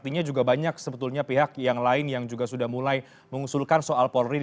artinya juga banyak sebetulnya pihak yang lain yang juga sudah mulai mengusulkan soal polri